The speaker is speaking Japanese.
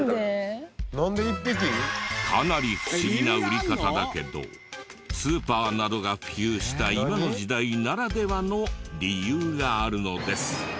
かなり不思議な売り方だけどスーパーなどが普及した今の時代ならではの理由があるのです。